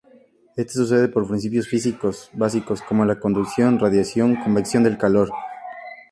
Esto sucede por principios físicos básicos como la conducción, radiación, convección del calor.